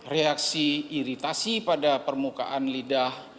reaksi iritasi pada permukaan lidah